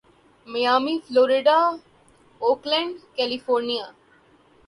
Miami Florida Oakland California